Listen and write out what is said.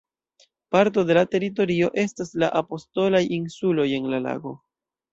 Parto de la teritorio estas la "Apostolaj Insuloj" en la lago.